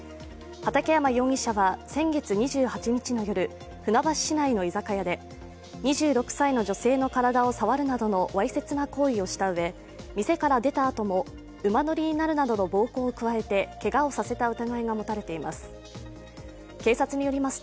畠山容疑者は先月２８日の夜、船橋市内の居酒屋で、２６歳の女性の体を触るなどのわいせつな行為をしたうえ店から出たあとも馬乗りになるなどの暴行を加えて、けがをさせた疑いが持たれています。